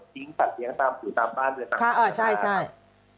ทิ้งสัตว์เลี้ยงตามผู้ตามบ้านหรือตามพื้นภาพ